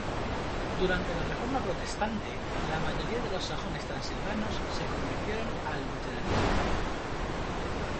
Durante la Reforma Protestante, la mayoría de los sajones transilvanos se convirtieron al luteranismo.